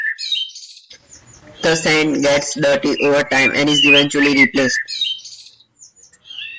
The sand gets dirty over time and is eventually replaced.